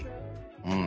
うん。